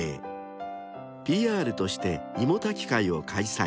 ［ＰＲとしていもたき会を開催］